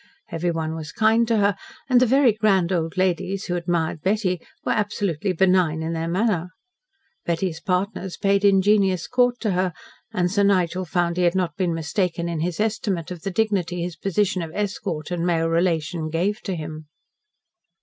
Everyone was kind to her, and the very grand old ladies, who admired Betty, were absolutely benign in their manner. Betty's partners paid ingenuous court to her, and Sir Nigel found he had not been mistaken in his estimate of the dignity his position of escort and male relation gave to him.